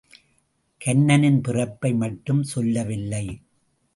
கன்னனின் பிறப்பை மட்டும் சொல்லவில்லை.